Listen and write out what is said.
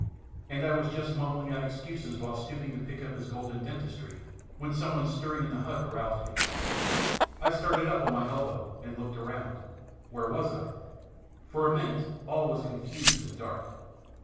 And I was just mumbling out excuses while stooping to pick up his golden dentistry, when some one stirring in the hut aroused me. I started up on my elbow and looked around. Where was I? For a minute all was confused and dark.